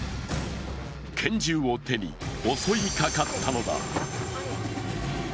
拳銃を手に襲いかかったのだ。